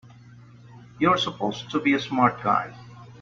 You're supposed to be a smart guy!